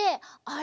あ！